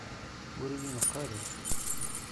Ur yi-neqq ara!